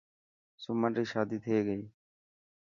سمن ري شادي ٿي گئي.